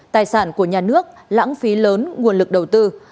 tài sản của nhà nước lãng phí lớn nguồn lực đầu tư